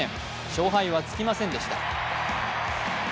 勝敗はつきませんでした。